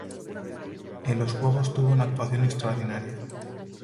En los Juegos tuvo una actuación extraordinaria.